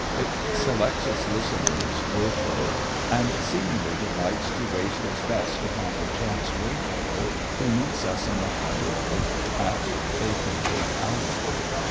It selects its listeners willfully, and seemingly delights to waste its best upon the chance wayfarer who meets us in the highway at a fated hour.